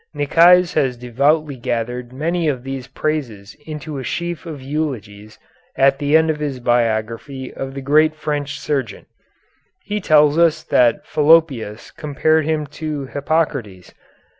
Nicaise has devoutly gathered many of these praises into a sheaf of eulogies at the end of his biography of the great French surgeon. He tells us that Fallopius compared him to Hippocrates.